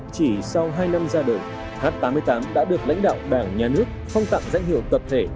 chỉ sau hai năm ra đời h tám mươi tám đã được lãnh đạo đảng nhà nước phong tặng danh hiệu tập thể